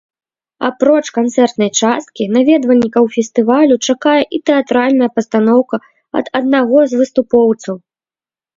Апроч канцэртнай часткі, наведвальнікаў фестывалю чакае і тэатральная пастаноўка ад аднаго з выступоўцаў.